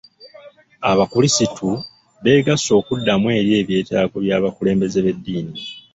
Abakulisitu begasse okuddamu eri ebyetaago by'abakulembeze b'eddiini.